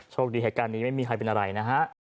คดีเหตุการณ์นี้ไม่มีใครเป็นอะไรนะฮะ